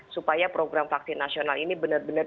supaya program vaksin nasional ini benar benar bisa dihitung